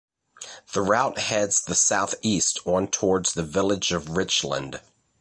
The route heads the southeast on towards the village of Richland.